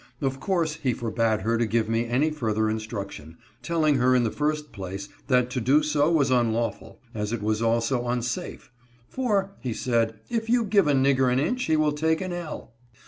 Of course he forbade her to give me any further instruction, telling her in the first place that to do so was unlawful, as it was also unsafe ; "for," said he, "if you give a nig ger an inch he will take an ell.